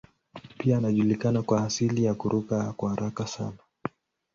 Pia anajulikana kwa ajili ya kuruka kwa haraka sana.